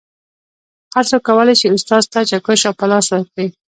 هر څوک کولی شي استاد ته چکش او پلاس ورکړي